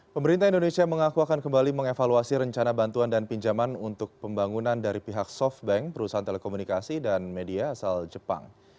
pemerintah indonesia mengaku akan kembali mengevaluasi rencana bantuan dan pinjaman untuk pembangunan dari pihak softbank perusahaan telekomunikasi dan media asal jepang